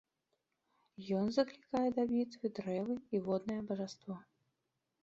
Ён заклікае да бітвы дрэвы і воднае бажаство.